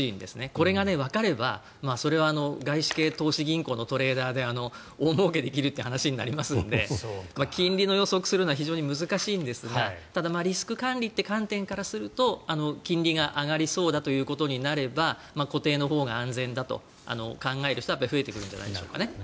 これがわかれば、それは外資系投資銀行のトレーダーで大もうけできるという話になりますので金利を予測するのは非常に難しいんですがリスク管理という観点からすると金利が上がりそうだということになれば固定のほうが安全だと考える人は増えてくるんじゃないでしょうかね。